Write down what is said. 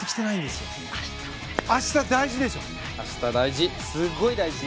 すごい大事！